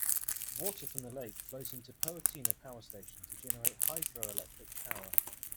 Water from the lake flows into Poatina Power Station to generate hydro-electric power.